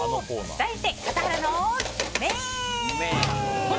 題して、笠原の眼。